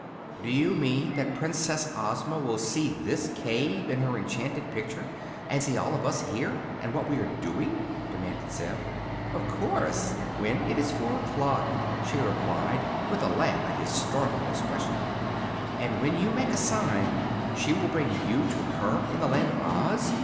"Do you mean that Princess Ozma will see this cave in her enchanted picture, and see all of us here, and what we are doing?" demanded Zeb. "Of course; when it is four o'clock," she replied, with a laugh at his startled expression. "And when you make a sign she will bring you to her in the Land of Oz?"